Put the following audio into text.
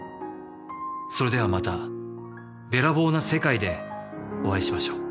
それではまたべらぼうな世界でお会いしましょう。